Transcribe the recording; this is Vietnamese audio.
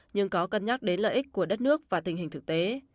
nhưng có cân nhắc đến lợi ích của đất nước và tình hình thực tế